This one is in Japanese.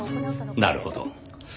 なるほど。